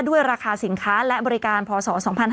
ด้วยราคาสินค้าและบริการพศ๒๕๕๙